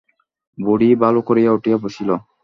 বুড়ি ভালো করিয়া উঠিয়া বসিল।